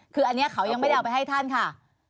คืออันนี้เขายังไม่ได้เอาไปให้ท่านค่ะ